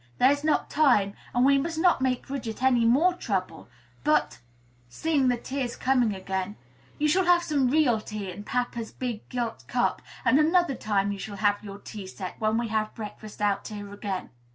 There is not time, and we must not make Bridget any more trouble; but" seeing the tears coming again "you shall have some real tea in papa's big gilt cup, and another time you shall have your tea set when we have breakfast out here again."